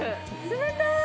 冷たい！